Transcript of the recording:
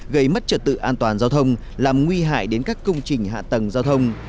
gây mất trật tự an toàn giao thông làm nguy hại đến các công trình hạ tầng giao thông